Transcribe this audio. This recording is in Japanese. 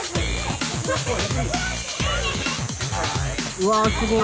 うわすごい。